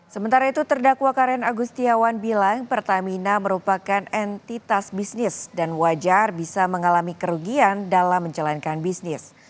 sementara itu terdakwa karen agustiawan bilang pertamina merupakan entitas bisnis dan wajar bisa mengalami kerugian dalam menjalankan bisnis